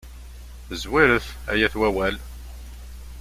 Zwiret, ay at wawal.